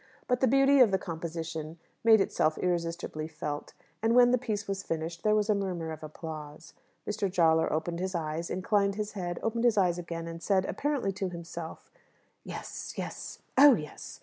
But the beauty of the composition made itself irresistibly felt, and when the piece was finished there was a murmur of applause. Mr. Jawler opened his eyes, inclined his head, opened his eyes again, and said, apparently to himself, "Yes, yes oh yes!"